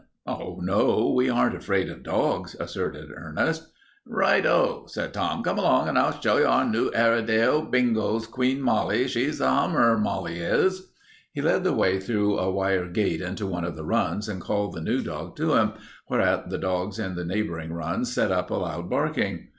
"Oh, no, we aren't afraid of dogs," asserted Ernest. "Right o," said Tom. "Come along and I'll show you our new Hairedale, Bingo's Queen Molly. She's a 'ummer, Molly is." He led the way through a wire gate into one of the runs and called the new dog to him, whereat the dogs in the neighboring runs set up a loud barking.